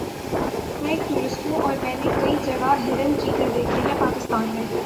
میں ایک ٹورسٹ ہوں اور میں نے کئی جگہ ہرن چیتے دیکھے ہے پاکستان میں